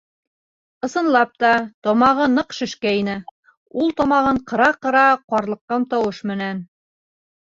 Ысынлап та, тамағы ныҡ шешкәйне, ул тамағын ҡыра-ҡыра, ҡарлыҡҡан тауыш менән: